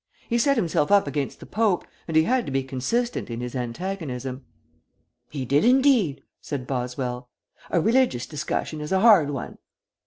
He set himself up against the Pope, and he had to be consistent in his antagonism." "He did, indeed," said Boswell. "A religious discussion is a hard one."